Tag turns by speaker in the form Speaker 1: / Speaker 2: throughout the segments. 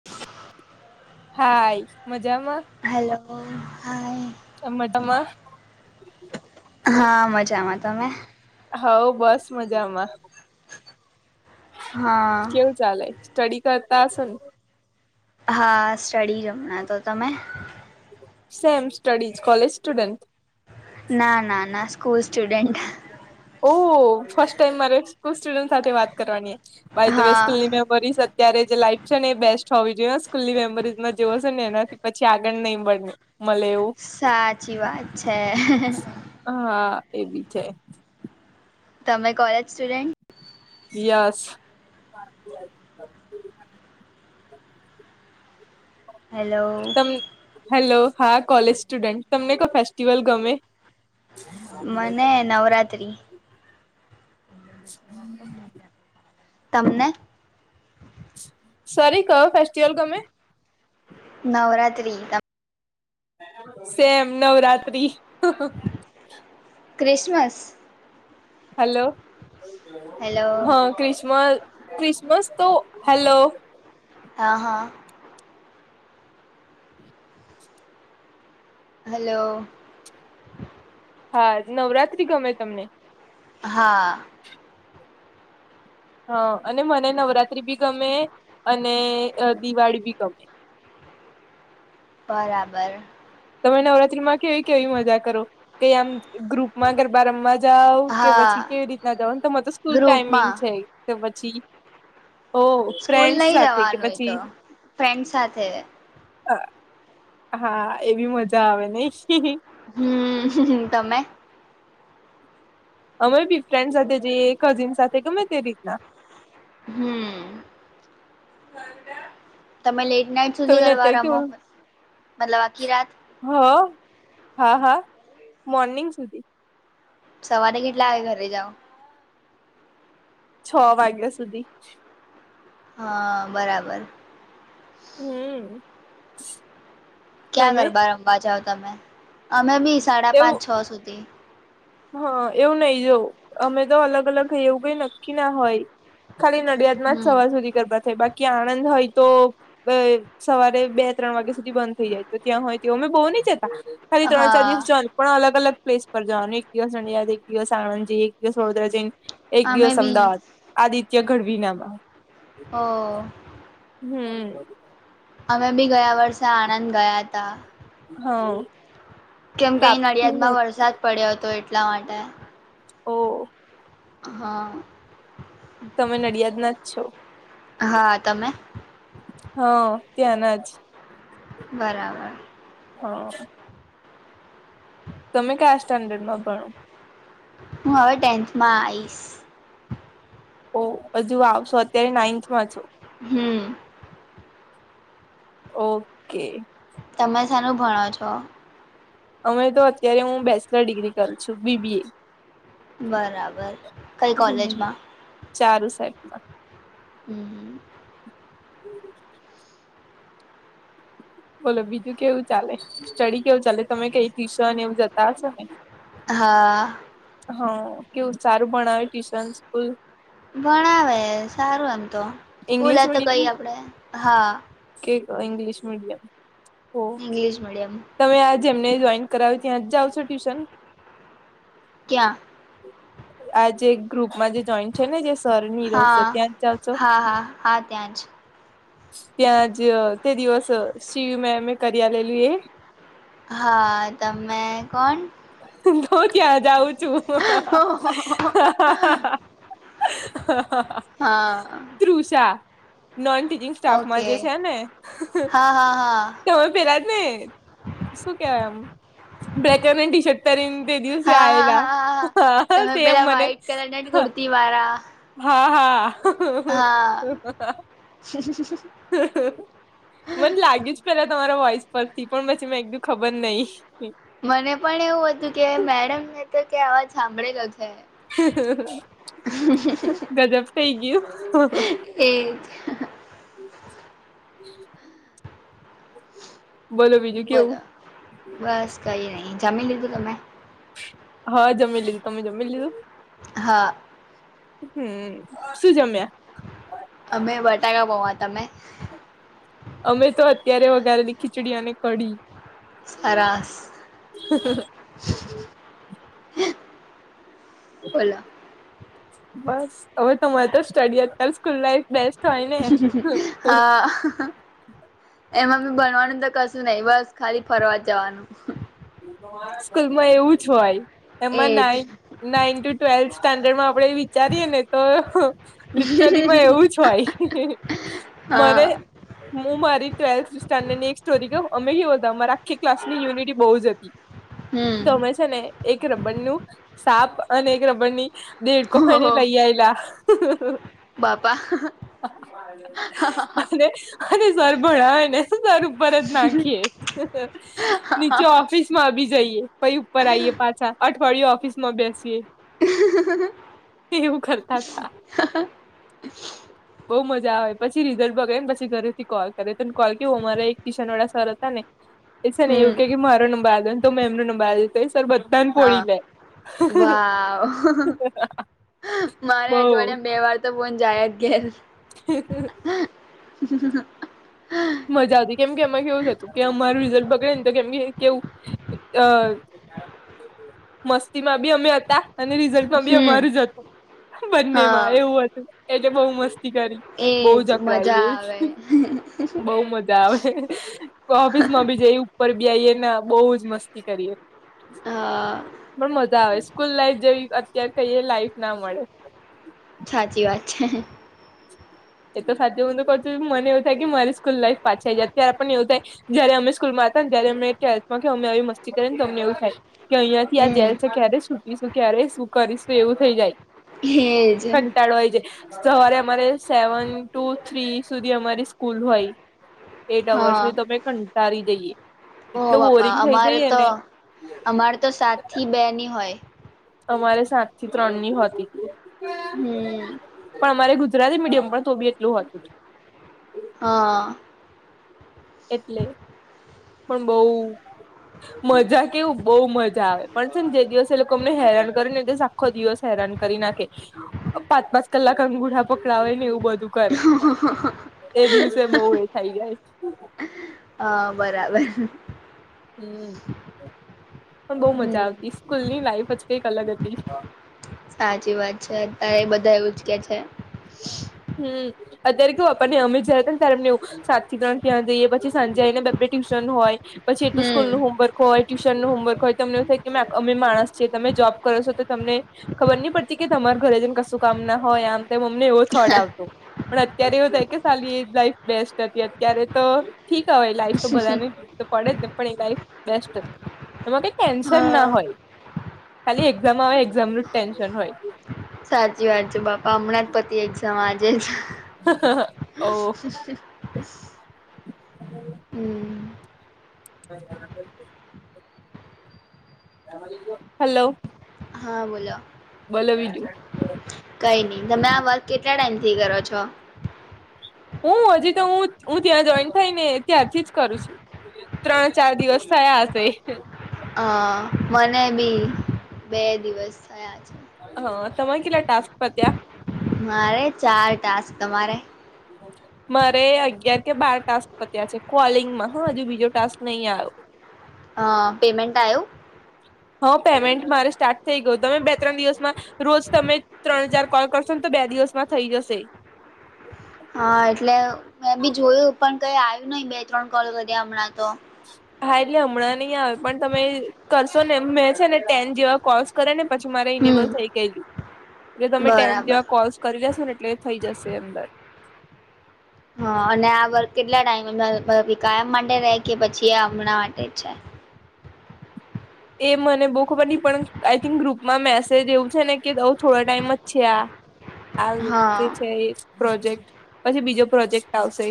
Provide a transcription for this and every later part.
Speaker 1: [unintelligible]
Speaker 2: હાય, મજામાં?
Speaker 1: Hello, hi.
Speaker 2: તમાં તમાં.
Speaker 1: હા, મજામાં તમે?
Speaker 2: હાવો બસ મજામાં.
Speaker 1: હા
Speaker 2: કેવું ચાલે સ્ટડી કરતા હશે ને?
Speaker 1: હા, સ્ટડી જ હમણાં તો તમે?
Speaker 2: Same studies college student.
Speaker 1: ના ના ના, સ્કૂલ સ્ટુડેન્ટ.
Speaker 2: ઓ ફર્સ્ટ ટાઈમ મારે સ્કૂલ સ્ટુડન્ટ સાથે વાત કરવાની બાયડવે
Speaker 1: હા
Speaker 2: સ્કૂલની મેમરી સ ત્યારે જે લાઈફ છે ને એ બેસ્ટ હોવી જોઈએ ને સ્કૂલની મેમરીઝમાં જેવો છે ને એનાથી પછી આગળ નઈ મળે. મલે એવુ.
Speaker 1: સાચી વાત છે.
Speaker 2: હા, એ બી છે.
Speaker 1: તમે કોલેજ સ્ટુડેન્ટ.
Speaker 2: યશ. [unintelligible] [inaudible] [unintelligible]
Speaker 1: હેલો.
Speaker 2: તમ હેલો હા, કોલેજ સ્ટુડન્ટ તમને કો ફેસ્ટિવલ ગમે?
Speaker 1: મને નવરાત્રિ
Speaker 2: [unintelligible]
Speaker 1: તમને
Speaker 2: સરી કયો ફેસ્ટિવલ ગમે
Speaker 1: નવરાત્રી તમને
Speaker 2: same Navratri
Speaker 1: Christmas
Speaker 2: hello
Speaker 1: hello
Speaker 2: હા ક્રિસમસ ક્રિસમસ તો હેલો
Speaker 1: હા હા હલો
Speaker 2: હા નવરાત્રી ગમે તમને
Speaker 1: હા
Speaker 2: હા અને મને નવરાત્રી ભી ગમે અને દિવાળી ભી ગમે
Speaker 1: બરાબર
Speaker 2: તમે નવરાત્રીમાં કેવી કેવી મજા કરો કે આમ ગ્રુપમાં ગરબા રમવા જાવ કે
Speaker 1: હા
Speaker 2: પછી કેવી રીતના જઓ તમારે તો સ્કૂલ ટાઈમિંગ
Speaker 1: ગ્રુપમાં
Speaker 2: છે. તો પછી ઓ
Speaker 1: સ્કૂલ
Speaker 2: ફ્રેન્ડ
Speaker 1: નહી
Speaker 2: સાથે કે
Speaker 1: જવાનું એ
Speaker 2: પછી
Speaker 1: તો ફ્રેન્ડ સાથે
Speaker 2: હ હા એવી મજા આવે ને
Speaker 1: હમ તમે
Speaker 2: અમે બી ફ્રેન્ડ સાથે જઈએ કઝિન સાથે કેમે તે રીતના
Speaker 1: હમ તમે લેટ નાઈટ સુધી
Speaker 2: તમને
Speaker 1: ગરબા
Speaker 2: અત્યારે
Speaker 1: રમો મતલબ આખી રાત
Speaker 2: હ હ હા હા મોર્નિંગ સુધી
Speaker 1: સવારે કેટલા વાગે ઘરે જાઓ
Speaker 2: છ વાગ્યા સુધી
Speaker 1: હા બરાબર
Speaker 2: હમ
Speaker 1: ક્યાં
Speaker 2: તમે
Speaker 1: ગરબા રમવા જાવ તમે અમે બી સાડા પાંચ
Speaker 2: એવું
Speaker 1: છ સુધી
Speaker 2: હા એવું નહી જોઉં અમે તો અલગ અલગ હઈ એવું કઈ નક્કી ના હોય ખાલી નડિયાદમાં જ
Speaker 1: હમ
Speaker 2: સવાર સુધી ગરબા થાય બાકી આણંદ હોય તો સવારે બે ત્રણ વાગ્યા સુધી બંધ થઇ જાય તો ત્યાં હોય તેઓ અમે બહુ નહી જતા ખાલી ત્રણ
Speaker 1: હા
Speaker 2: ચાર દિવસ જવાનું પણ અલગ અલગ પ્લેસ પર જવાનું એક એક દિવસ નડિયાદ એક દિવસ આણંદ જઈએ એક દિવસ વડોદરા જઈએ એક
Speaker 1: અમે
Speaker 2: દિવસ
Speaker 1: બી
Speaker 2: અમદાવાદ આદિત્ય ગઢવી નામાં
Speaker 1: હ
Speaker 2: હમ
Speaker 1: અમે બી ગયા વર્ષે આણંદ ગયા તા
Speaker 2: હા
Speaker 1: કેમ કે અહીં
Speaker 2: પ્રાપ્તિ
Speaker 1: નડિયાદ માં વરસાદ પડ્યો હતો એટલા માટે
Speaker 2: ઓ
Speaker 1: હા
Speaker 2: તમે નડિયાદ ના જ છો
Speaker 1: હા તમે
Speaker 2: હા ત્યાંના જ
Speaker 1: બરાબર
Speaker 2: હા તમે ક્યાયા સ્ટાન્ડર્ડ માં ભણો
Speaker 1: હું હવે ટેન્થમાં આઈશ
Speaker 2: ઓ હજુ આવશો અત્યારે નાઈન્થમાં છો.
Speaker 1: હમ
Speaker 2: ઓકે
Speaker 1: તમે સાર ભણો છો
Speaker 2: અમે તો અત્યારે હું બેચલર ડિગ્રી કર છું બીબી એ
Speaker 1: બરાબર કઈ
Speaker 2: હમ
Speaker 1: કોલેજમાં
Speaker 2: ચારું સાઈબમાં
Speaker 1: હમ હ
Speaker 2: બોલો બીજું કેવું ચાલે સ્ટડી કેવું ચાલે તમે કઈ ટ્યુશન એવું જતા હશો ને
Speaker 1: હા
Speaker 2: હા કેવું સારું ભણાવ્યું ટ્યુશન સ્કૂલ
Speaker 1: ભણાવે સારું એમ તો સ્ કુલ તો કઈ આપડે હા
Speaker 2: કેક ંગ્લિશ મીડિયામ
Speaker 1: ઇ્લિશ મીડયમ
Speaker 2: તમે આ જેમને જોઈન કરાવ્યું ત્યાં જ જાઓ છો ટ્યુશન
Speaker 1: ક્યાં
Speaker 2: આજે એક ગ્રુપમાં જે જોઈન્ટ છે ને જે સરની રહોશે
Speaker 1: હા
Speaker 2: ત્યાં જ ચાલશો
Speaker 1: હા હા હા ત્યાં જ
Speaker 2: ત્યાં જ તે દિવસ શિવિવમમે એ કરી આલું એ
Speaker 1: હા તમે કોણ
Speaker 2: હું ક્યાં જાઉ છું હા હા હ હાા
Speaker 1: હા
Speaker 2: નોન ટીચિંગ સ્ટાફમાં
Speaker 1: ઓકે
Speaker 2: જે છે ને
Speaker 1: હા હા હા
Speaker 2: તમે પેલા જ ને શું કેવાય એમ બ છતરી તે દિવસે
Speaker 1: હા
Speaker 2: આયલા
Speaker 1: હા હા હા
Speaker 2: સેમ મને
Speaker 1: દિવાારા
Speaker 2: હા હા
Speaker 1: હા
Speaker 2: મને લાગ્યું જ પેલા તમારા વોઇસ પરથી પણ પછી મેં એકદું ખબર નહીિ
Speaker 1: મને પણ એવું હતું કે મેડમને તો કે આવા સાંભળેલો છે
Speaker 2: ગજબ થઈ ગયયો હ
Speaker 1: એજ બોલો બસ કઈ નહીિ જમીન લીધું ત મેં
Speaker 2: હા જમી લીધું તમે જમી લીધું
Speaker 1: હા
Speaker 2: હમ શું જમ્યા
Speaker 1: અમે બટાકા બહવા તમે
Speaker 2: અમે તો અત્યારે વગારેલી ખીચડી અને કઢી
Speaker 1: સરરાસ બોલો
Speaker 2: બસ હવે તમારે તો સ્ટડી અત્યારે સ્કૂલ લાઈફ બેસ્ટ હોય ને
Speaker 1: હા એમાં બી ભણવાનું તો કશું નહિ બસ ખાલી ફરવા જવાનું
Speaker 2: સ્કૂલમાં એવું જ હોય એમાં
Speaker 1: એજ
Speaker 2: નાઈ નાઈન ટુ ટ્વેલ્થ સ્ટાન્ડર્ડમાં આપડે વિચારીએ ને તો લિટલી માં એવું જ હોય મને
Speaker 1: હા
Speaker 2: હું મારી ટ્વેલ્થ સ્ટાન્ડર્ડ ની એક સોરી ક અમે કેવો અમારે આખી ક્લાસ ની ુનિટી બહુ જ હતી
Speaker 1: હમ
Speaker 2: તો અમે છે ને એક રબડ નું સાપ અને એક રબડ ની દેડકો ખને
Speaker 1: ઓહો
Speaker 2: લઈ આયલા
Speaker 1: બાપા.
Speaker 2: હ [inaudible] અરે અરે સર ભણાવે ને શું કરુ ઉપર જ નાખીએ. હ [inaudible] ઓફિસ માં આવી જઈએ. પઈ ઉપર આઈએ પાછા અઠવાડિયે ઓફિસ માં બેસીએ. એવું કરતા થા. બઉુ મજા આવે પછી રિઝલ્ટ બગડે ને પછી ઘરેથી કોલ કરે તને કોલ કેવું અમારા એક ટ્યુશન વાળા સર હતા ને એ સર ને એવું
Speaker 1: હમ
Speaker 2: કે કે મારો નંબર આલ દે ને તો મે એમનો નંબર આલ તો સર બધાને
Speaker 1: હા
Speaker 2: પોડી લે.
Speaker 1: વાવ મારે
Speaker 2: બઉ
Speaker 1: અઠવાડિયામાં બે વાર તો ફોન જાયજ ઘેર.
Speaker 2: હ [inaudible]
Speaker 1: સ સ [inaudible]
Speaker 2: મજા આવી કેમ કે એમાં કેવું થતું કે અમાર રિઝલ્ટ બગડે ને તો કેમ કે કેવું. અ મસ્તીમાં બી અમે હતા. અને રિઝલ્ટમાં
Speaker 1: ઘેર
Speaker 2: બી
Speaker 1: હમ
Speaker 2: અમારું જતું બંનેમાં
Speaker 1: હા
Speaker 2: એવું હતું એટલે બહુ મસ્તી કરી. બહુ
Speaker 1: એજ મજા આવે.
Speaker 2: બઉ મજા આવે ઓફિસમાં બી જયું. ઉપર બી આઈ એ ને બહુ જ મસ્તી કરીએ.
Speaker 1: હા.
Speaker 2: પણ મજા આવે સ્કૂલ લાઈફ જેવી અત્યારે કઈ લાઈફ ના મળે.
Speaker 1: સાચી વાત છે.
Speaker 2: હ [inaudible] એ તો સાથે હું તો ક છું મને એવું થાય કે મારી સ્કૂલ લાઈફ પાછા જાય અત્યારે પણ એવું થાય. જયારે અમે સ્કૂલમાં હતા ને ત્યારે અમે ટવેલ્થમાં કે અમે આવી મસ્તી કરીએને અમને એવું થાય. કે અહિયાંથી આ જેલ
Speaker 1: હમ
Speaker 2: છે ક્યારે છૂટીશું ક્યારે શું કરીશું એવું થઈ જાય.
Speaker 1: હેજ એમ.
Speaker 2: ટાળવાય જાય સવારે અમારે સેવન ટુ થ્રી સુધી અમારી સ્કૂલ હોય. એટ અવર્સ
Speaker 1: હા
Speaker 2: ની અમે કંટળી જઈએ
Speaker 1: ઓ
Speaker 2: તો
Speaker 1: બાપા
Speaker 2: બોરિંગ થઈ
Speaker 1: અમારે
Speaker 2: જઈએ
Speaker 1: તો
Speaker 2: ને.
Speaker 1: અમારે તો સાત થી બેની હોય.
Speaker 2: અમારે સાત થી ત્રણ ની હતી.
Speaker 1: હમ.
Speaker 2: પણ અમારે ગુજરાતી મીડિયમ પણ તો બી એટલું હતું.
Speaker 1: હા.
Speaker 2: એટલે પણ બઉ મજા કેવું બહુ મજા આવે. પણ છે ને જે દિવસ એ લોકો અમને હેરાન કરે ને એ દિવસ આખો દિવસ હેરાન કરી નાખે. પાંચ પાંચ કલાક અંગૂઠા પકડાવે ને એવું બધું. કરે એ દિવસે બહુ એ થાય જાય.
Speaker 1: હ બરાબર.
Speaker 2: હમ પણ બહુ
Speaker 1: હમ
Speaker 2: મજા આવતી સ્કૂલ ની લાઈફ જ કઈક અલગ હતી.
Speaker 1: સાચી વાત છે અત્યારે એ બધા એવું જ કે છે.
Speaker 2: હમ અત્યારે કેવું આપણે અમે જ હતાને ત્યારે અમને એવું. સાત થી ત્રણ ત્યાં જઈએ પછી સાંજે આવી ને બે ટ્યુશન હોય પછી એ તો
Speaker 1: હમ
Speaker 2: સ્કૂલનુ હોમવર્ક હોય ટ્યુશન નું હોમવર્ક હોય તમને એવું થાય કે અમે માણસ છીએ તમે જોબ કરો છો તો તમને ખબર નહી પડતી કે તમાર ઘરે જને કશું કામ ના હોય આમ. મને એવો થોટ આવતો પણ અત્યારે એવું થાય કે સાલી એજ લાઈફ બેસ્ટ હતી અત્યારે તો. ઠીક હવે એ લાઈફ તો બધાને તો પડે જ ને પણ એ લાઈફ બેસ્ટ એમાં કઈ. ટેન્શન ના
Speaker 1: હા
Speaker 2: હોય ખાલી એક્ઝામ આવે એક્ઝામનું જ ટેન્શન હોય.
Speaker 1: સાચી વાત છે બાપા હમણાં જ પતિ એક્ઝામ આજે જ.
Speaker 2: હા હા.
Speaker 1: [inaudible] હમમ.
Speaker 2: [inaudible] હાલો.
Speaker 1: હા બોલો
Speaker 2: બોલો બીજું
Speaker 1: કઈ ની તમે આ વર્ક કેટલા ટાઈમ થી કરો છો?
Speaker 2: હું હજી તો હું હું ત્યાં જોઈન થાય ને ત્યાારથી જ કરું છું ત્રણ ચાર દિવસ થયા હશે
Speaker 1: અ મને બી બે દિવસ થયા છે.
Speaker 2: હ તમા કેટલા ટાસ્ક પત્યા?
Speaker 1: મારે ચાર ટાસ્ક તમારે?
Speaker 2: [inaudible] મારે અગિયાર કે બાર ટાસ્ક પત્યા છે, કોલિંગમાં હ હજુ બીજો ટાસ્ક નહીં આયો
Speaker 1: અ પેમમેન્ટ આયુ
Speaker 2: હ પેમેન્ટ મારે સ્ટાર્ટ થઈ ગયું તમે બે ત્રણ દિવસમાં રોજ તમે ત્રણ હજાર કોલ કરશો ને તો બે દિવસમાં થઈ જશે
Speaker 1: હા એટલે મે બી જોયું પણ કઈ આવ્યું નહી બે ત્રણ કોલ કર્યા હમણાં તો
Speaker 2: હા એટલે હમણાં નહીં આવે પણ તમે કરશો ને મેં છે, ને ટેન જેવા કોલસ કરે ને પછી મારે ઇનેબલ થઈ
Speaker 1: હમ
Speaker 2: ગયેલું એટલે તમે ટેન
Speaker 1: બરાબર
Speaker 2: જેવા કોલસ કર્યા લેસોને એટલે થઈ જશે અંદર
Speaker 1: હ અને આ વકૅ કેટલા ટાઈમ કાયમ [unintelligible] માટે રે કે પછી આ હમણાં માટે જ છે.
Speaker 2: એ મને બો ખબર નઈ પણ આઈ થિંક ગ્રુપમાં મેસેજ એવું છે, ને કે આઉ થોડા ટાઈમ જ છે, આ આ જે છે,
Speaker 1: હા
Speaker 2: એ પ્રોજેક્ટ પછી બીજો પ્રોજેક્ટ આવશે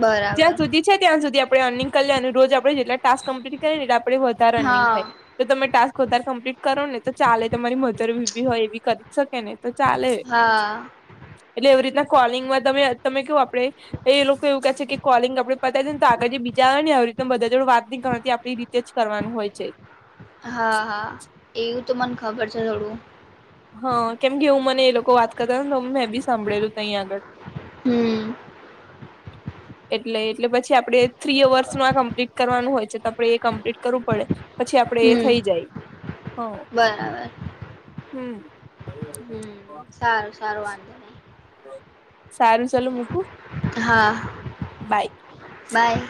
Speaker 1: બરાબર
Speaker 2: જ્યાં સુધી છે, ત્યાં સુધી આપણે અર્નિંગ કરી અને રોજ આપડે જેટલા ટાસ્ક કમ્પ્લી આપડે વધારે અનિંગ
Speaker 1: હા
Speaker 2: થાય તો તમે ટાસ્ક વધારે કમ્પ્લીટ કરો ને તો ચાલે તમારી મધર બી હોય એવી કરી જ શકે ને તો ચાલે
Speaker 1: હા.
Speaker 2: એટલે એવી રીતના કોલિંગમાં તમે તમે કેવું આપડે એ લોકો એવું કહે છે કે, કોલિંગ આપડે પતાયીએને, તો આગળ જે બીજા આવે ને, આવી રીતેના બધા જોડ વાત નહીં કરતી આપી. તે જ કરવાનું હોય છે.
Speaker 1: હા હા એવું તો મને ખબર છે, થોડું
Speaker 2: હ કેમ કે હું મને એ લોકો વાત કરતા ને તો મેં ભી સાંભળેલું તય આગળ
Speaker 1: હમ.
Speaker 2: એટલે એટલે પછી આપણે થ્રી અવર્સનું આ કમ્પ્લીટ કરવાનું હોય છે, તો આપણે એ કમ્પ્લીટ કરવું પડે પછી આપડે એ થઈ
Speaker 1: હમ
Speaker 2: જાય હ
Speaker 1: બરાબર
Speaker 2: હમ
Speaker 1: હમ સારું સારું વાં
Speaker 2: સારું ચાલું મૂકું
Speaker 1: હા.
Speaker 2: બાય.
Speaker 1: બાય.